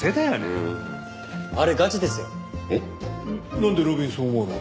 なんで路敏そう思うの？